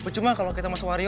cuma kalau kita masuk wario